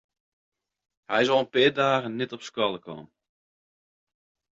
Hy is al in pear dagen net op skoalle kaam.